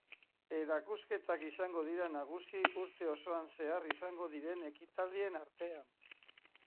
Erakusketak izango dira nagusi urte osoan zehar izango diren ekitaldien artean.